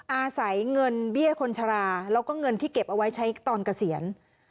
อาศัยเงินเบี้ยคนชราแล้วก็เงินที่เก็บเอาไว้ใช้ตอนเกษียณ